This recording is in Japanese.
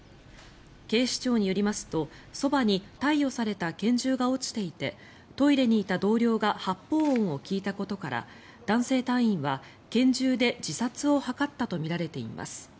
警視庁によりますと、そばに貸与された拳銃が落ちていてトイレにいた同僚が発砲音を聞いたことから男性隊員は拳銃で自殺を図ったとみられています。